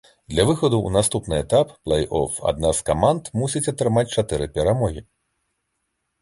Для выхаду ў наступны этап плэй-оф адна з каманд мусіць атрымаць чатыры перамогі.